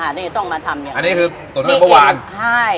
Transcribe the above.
อ่าฮะนี่ต้องมาทำอย่างนี้อันนี้คือตัวนี้เมื่อวานใช่